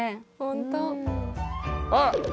あっ。